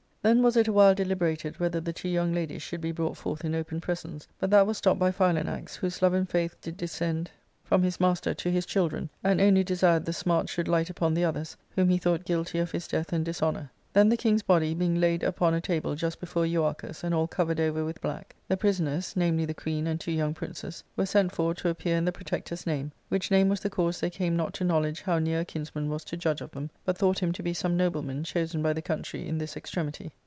Then was it a while deliberated whether the two young ladies should be brought forth in open presence, but that was stopped by Philanax, whose love and faith did descend from * Party — One who takes or pursues one part or side in an affair. ARCADIA.— Book K 455 his master to bis children, and only desired the smart should light .upon the others, whom he thought guilty of his death and dishonour. Then the king's body being laid upon a table just before Euarchus, and all covered over with black, the prisoners — namely, the queen and two young princes — were sent for to appear in the protector's name, which name was the cause they came not to knowledge how near a kinsman was to judge of them, but thought him to be some nobleman chosen by the country in this extremity.